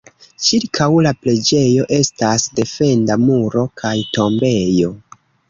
Ĉirkaŭ la preĝejo estas defenda muro kaj tombejo.